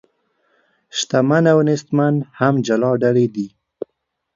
شتمن او نیستمن هم جلا ډلې دي.